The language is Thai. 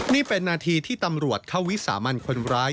นี่เป็นนาทีที่ตำรวจเข้าวิสามันคนร้าย